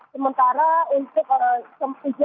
sementara untuk stasiun semarang surabaya apapun sebaliknya